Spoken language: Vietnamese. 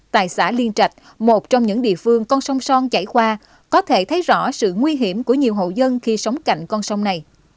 tại xã liên trạch một trong những địa phương con sông son chảy qua có thể thấy rõ sự nguy hiểm của nhiều hộ dân khi sống cạnh con sông này